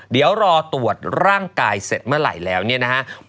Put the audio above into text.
เดี๋ยวรอตรวจร่างกายเสร็จเมื่อไหร่แล้วเนี่ยนะครับ